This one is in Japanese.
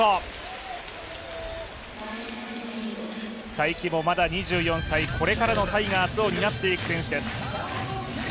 才木もまだ２４歳、これからのタイガースを担っているいく選手です。